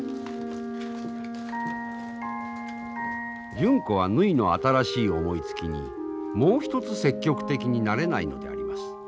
純子はぬひの新しい思いつきにもうひとつ積極的になれないのであります。